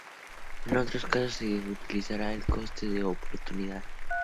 En otros casos, se utilizará el coste de oportunidad.